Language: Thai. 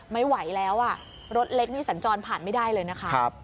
ไม่ไหวแล้วอ่ะรถเล็กนี่สัญจรผ่านไม่ได้เลยนะคะ